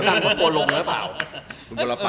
เขาดังก็กลัวลงหรือเปล่า